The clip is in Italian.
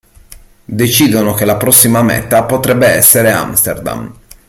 Decidono che la prossima meta potrebbe essere Amsterdam.